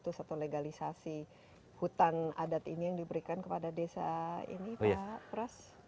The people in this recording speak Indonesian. atau legalisasi hutan adat ini yang diberikan kepada desa ini pak pras